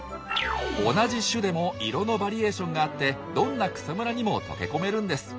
同じ種でも色のバリエーションがあってどんな草むらにも溶け込めるんです。